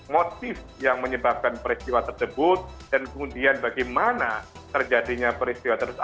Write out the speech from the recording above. motif yang menyebabkan peristiwa tersebut dan kemudian bagaimana terjadinya peristiwa tersebut